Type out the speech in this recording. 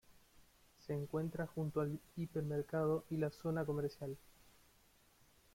Se encuentra junto al hipermercado y la zona comercial.